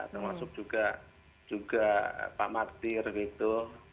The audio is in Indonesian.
termasuk juga pak martir gitu